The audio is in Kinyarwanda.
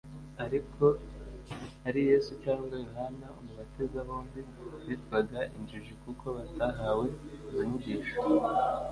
ariko ari Yesu cyangwa Yohana Umubatiza bombi bitwaga injiji kuko batahawe izo nyigisho.